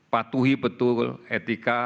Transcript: patuhi betul etika